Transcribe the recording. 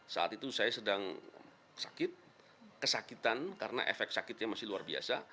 saat itu saya sedang sakit kesakitan karena efek sakitnya masih luar biasa